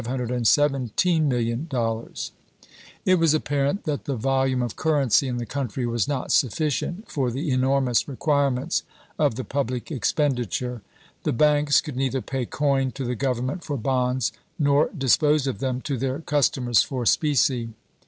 ^ It was apparent that the volume of currency in the country was not sufficient for the enormous re quirements of the public expenditure. The banks could neither pay coin to the Grovernment for bonds, nor dispose of them to their customers for specie.